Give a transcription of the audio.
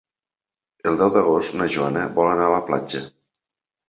El deu d'agost na Joana vol anar a la platja.